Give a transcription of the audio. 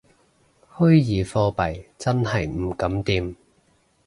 虛擬貨幣真係唔敢掂